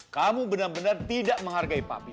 kamu benar benar tidak menghargai papi